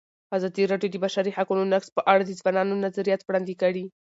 ازادي راډیو د د بشري حقونو نقض په اړه د ځوانانو نظریات وړاندې کړي.